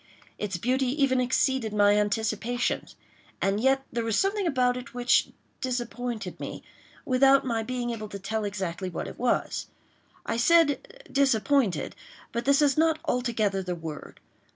Its beauty even exceeded my anticipations—and yet there was something about it which disappointed me without my being able to tell exactly what it was. I said "disappointed," but this is not altogether the word.